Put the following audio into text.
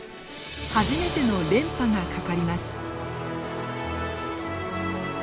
初めての連覇がかかります。